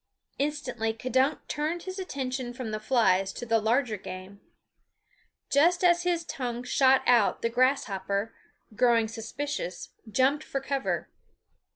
Instantly K'dunk turned his attention from the flies to the larger game. Just as his tongue shot out the grasshopper, growing suspicious, jumped for cover.